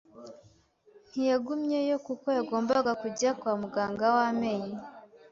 Ntiyagumyeyo kuko yagombaga kujya kwa muganga w’amenyo.